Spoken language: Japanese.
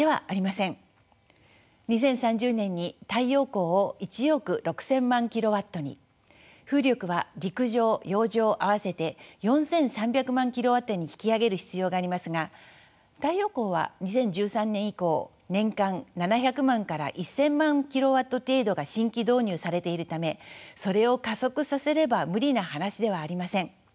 ２０３０年に太陽光を１億６，０００万ｋＷに風力は陸上洋上合わせて４，３００万ｋＷに引き上げる必要がありますが太陽光は２０１３年以降年間７００万から１，０００万ｋＷ程度が新規導入されているためそれを加速させれば無理な話ではありません。